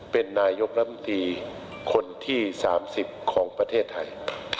เป็นนายกรัฐมนตรีคนที่๓๐ของประเทศไทย